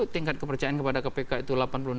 tingkat kepercayaan kepada kpk itu